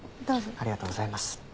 ありがとうございます。